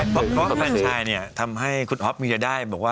พร้อมแฟนชายทำให้คุณอ๊อปมีจะได้